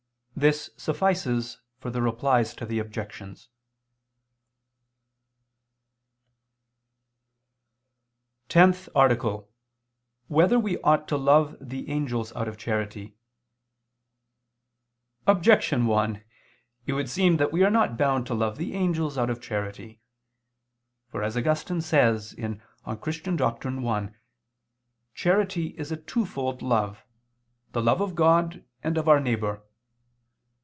This suffices for the Replies to the Objections. _______________________ TENTH ARTICLE [II II, Q. 25, Art. 10] Whether We Ought to Love the Angels Out of Charity? Objection 1: It would seem that we are not bound to love the angels out of charity. For, as Augustine says (De Doctr. Christ. i), charity is a twofold love: the love of God and of our neighbor.